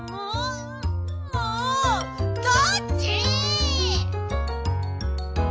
もうどっち？